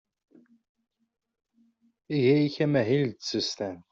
Iga yakk amahil d tsestant.